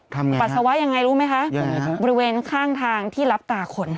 ทำอย่างไรครับอย่างไรครับบริเวณข้างทางที่รับตาขน